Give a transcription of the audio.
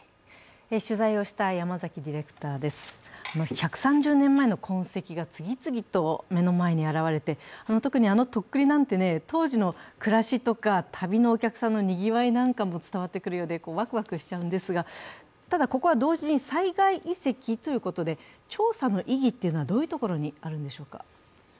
１３０年前の痕跡が次々と目の前に現れてあのとっくりなんて、当時の暮らしとか旅のお客さんのにぎわいなんかも伝わってくるようで、ワクワクしちゃうんですが、ただここは同時に災害遺跡ということで調査の意義はどういうところにあるんでしょうか？